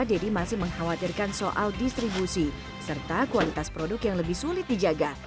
deddy masih mengkhawatirkan soal distribusi serta kualitas produk yang lebih sulit dijaga